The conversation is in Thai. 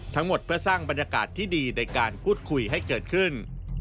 ทั้งหมดเพื่อสร้างบรรยากาศที่ดีในการพูดคุยให้เกิดขึ้น